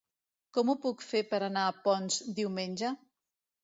Com ho puc fer per anar a Ponts diumenge?